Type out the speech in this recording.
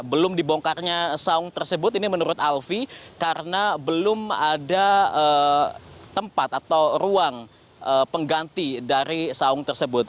belum dibongkarnya saung tersebut ini menurut alfie karena belum ada tempat atau ruang pengganti dari saung tersebut